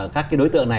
các cái đối tượng này